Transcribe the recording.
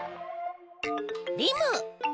リム。